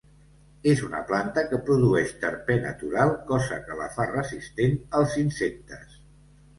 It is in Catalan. És una planta que produeix terpè natural cosa que la fa resistent als insectes.